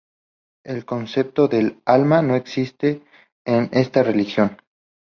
El concepto de "alma" no existe en esta religión.